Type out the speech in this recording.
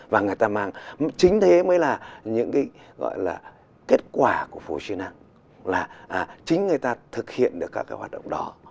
và người ta mang chính thế mới là những cái gọi là kết quả của phủ chí năng là chính người ta thực hiện được các cái hoạt động đó